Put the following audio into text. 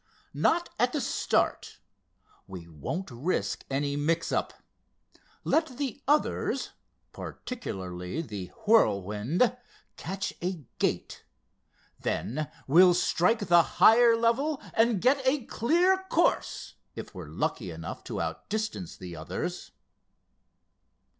"Not at the start. We won't risk any mix up. Let the others, particularly the Whirlwind, catch a gait. Then we'll strike the higher level and get a clear course, if we're lucky enough to outdistance the others."